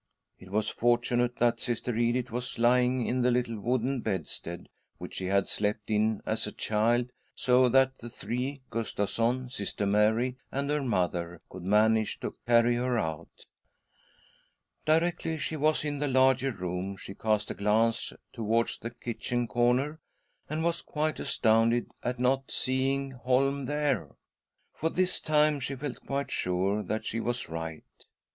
It was fortunate that Sister Edith was lying in the little wooden bedstead which she had slept in as a child, so that the three— Gustavsson, Sister Mary, and her mother — could manage to carry ■■■" L_ .. 106 THY SOUL SHALL BEAR WITNESS! her out. Directly she was in the larger room, she cast a glance towards the kitchen corner, and was quite astounded at not seeing Holm there — for this time she felt quite sure that she was right.